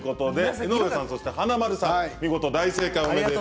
江上さん、華丸さん見事大正解です。